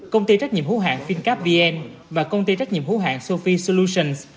công ty trách nhiệm hữu hạng fincap vn và công ty trách nhiệm hữu hạng sophie solutions